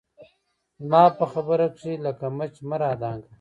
زما په خبره کښې لکه مچ مه رادانګه